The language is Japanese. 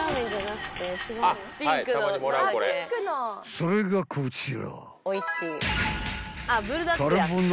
［それがこちら］